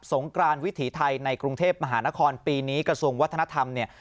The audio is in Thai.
งกรานวิถีไทยในกรุงเทพมหานครปีนี้กระทรวงวัฒนธรรมเนี่ย